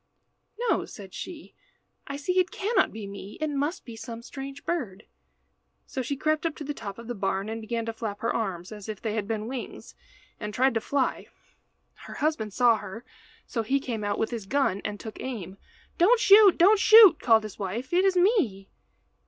"No," said she, "I see it cannot be me. It must be some strange bird." So she crept up to the top of the barn, and began to flap her arms as if they had been wings, and tried to fly. Her husband saw her, so he came out with his gun and took aim. "Don't shoot, don't shoot," called his wife. "It is me."